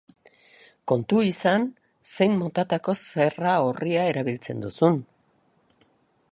Kontu izan zein motatako zerra-orria erabiltzen duzun.